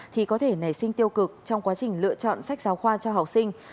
thì có thể nảy sinh tiêu cực trong quá trình lựa chọn sách giáo khoa cho học sinh